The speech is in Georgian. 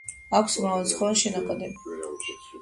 აქვს მრავალრიცხოვანი შენაკადები.